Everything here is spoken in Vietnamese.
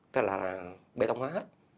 tức là bê tông hóa hết